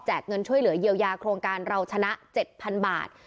เงินช่วยเหลือเยียวยาโครงการเราชนะ๗๐๐บาท